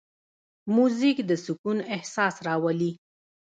موزیک د سکون احساس راولي.